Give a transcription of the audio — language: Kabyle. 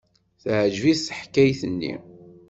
Teɛjeb-it teḥkayt-nni.